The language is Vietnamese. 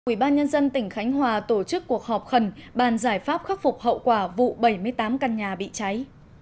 ủy ban nhân dân tỉnh khánh hòa tổ chức cuộc họp khẩn bàn giải pháp khắc phục hậu quả vụ bảy mươi tám căn nhà bị cháy